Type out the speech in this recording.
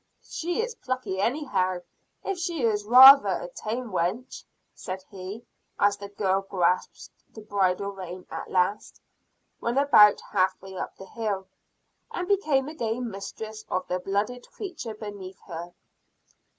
"She is plucky, anyhow, if she is rather a tame wench," said he, as the girl grasped the bridle rein at last, when about half way up the hill, and became again mistress of the blooded creature beneath her.